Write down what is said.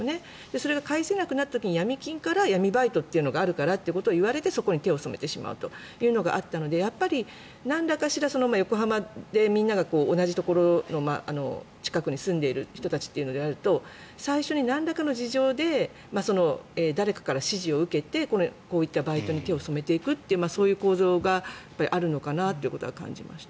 それが返せなくなった時にヤミ金から闇バイトがあるからということを言われてそこに手を染めてしまうということがあったので何かしら横浜でみんなが同じところの近くに住んでいる人たちというのであると最初に、なんらかの事情で誰からから指示を受けてこういったバイトに手を染めていくというそういう構造があるのかなということを感じました。